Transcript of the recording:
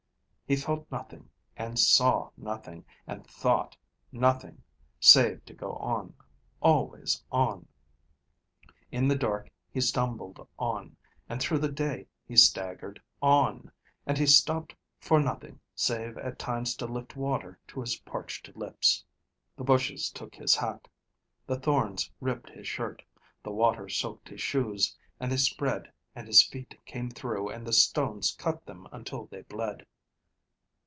He felt nothing, and saw nothing, and thought nothing, save to go on, always on. In the dark he stumbled on and through the day he staggered on, and he stopped for nothing, save at times to lift water to his parched lips. The bushes took his hat, the thorns ripped his shirt, the water soaked his shoes and they spread and his feet came through and the stones cut them until they bled.